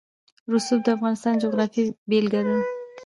رسوب د افغانستان د جغرافیې بېلګه ده.